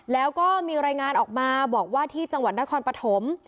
แล้วก็มีรายงานออกมาบอกว่าที่จังหวัดนครปฐม